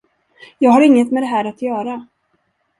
Jag har inget med det här att göra.